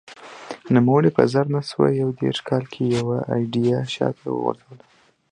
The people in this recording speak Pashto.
نوموړي په زر نه سوه یو دېرش کال کې یوه ایډیا شا ته وغورځوله